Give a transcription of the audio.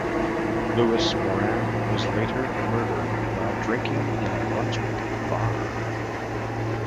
Lewis Moran was later murdered while drinking in a Brunswick bar.